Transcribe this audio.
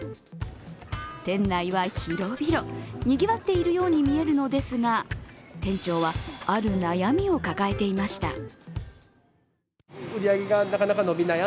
店内は広々、にぎわっているように見えるのですが店長はある悩みを抱えていました。